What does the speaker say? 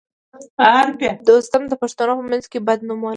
دوستم د پښتنو په منځ کې بد نوم لري